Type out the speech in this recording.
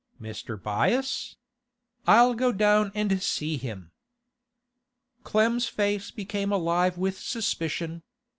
'Mr. Byass? I'll go down and see him.' Clem's face became alive with suspicion.